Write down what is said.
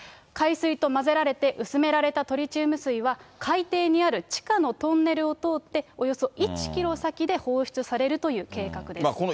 海水と混ぜられて薄められたトリチウム水は、海底にある地下のトンネルを通って、およそ１キロ先で放出されるという計画です。